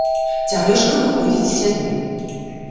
Цярэшка выходзіць з сябе.